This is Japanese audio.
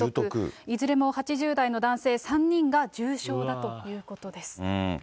いずれも８０代の男性３人が重症だということです。